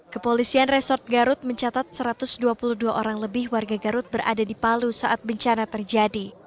kepolisian resort garut mencatat satu ratus dua puluh dua orang lebih warga garut berada di palu saat bencana terjadi